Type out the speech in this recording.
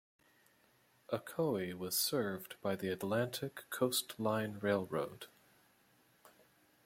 Ocoee was served by the Atlantic Coast Line Railroad.